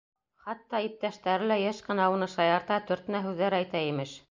Хатта иптәштәре лә йыш ҡына уны шаярта, төртмә һүҙҙәр әйтә, имеш.